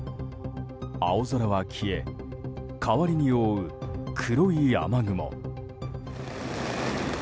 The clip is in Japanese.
青空は消え、代わりに覆う黒い雨雲。